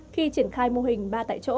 khi triển khai mô hình ba tại chỗ